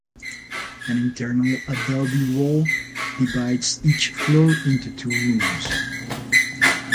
An internal adobe wall divides each floor into two rooms.